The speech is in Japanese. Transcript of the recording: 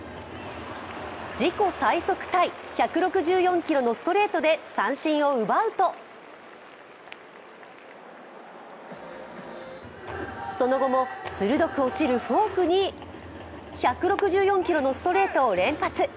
自己最速タイ１６４キロのストレートで三振を奪うとその後も鋭く落ちるフォークに１６４キロのストレートを連発。